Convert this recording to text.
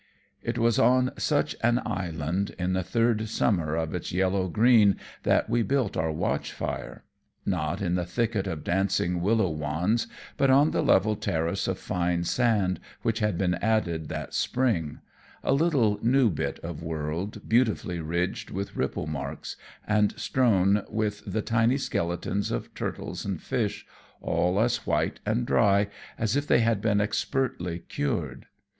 It was on such an island, in the third summer of its yellow green, that we built our watch fire; not in the thicket of dancing willow wands, but on the level terrace of fine sand which had been added that spring; a little new bit of world, beautifully ridged with ripple marks, and strewn with the tiny skeletons of turtles and fish, all as white and dry as if they had been expertly cured.